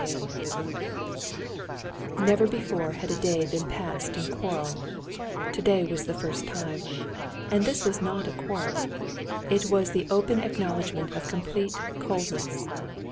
Chapter 26 Never before had a day been passed in quarrel. Today was the first time. And this was not a quarrel. It was the open acknowledgment of complete coldness.